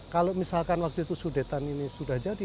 kalau misalkan waktu itu sudetan ini sudah jadi